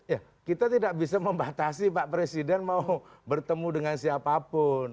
ya kita tidak bisa membatasi pak presiden mau bertemu dengan siapapun